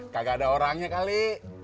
kagak ada orangnya kali